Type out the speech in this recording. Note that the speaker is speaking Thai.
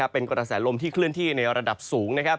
เป็นกระแสลมที่เคลื่อนที่ในระดับสูง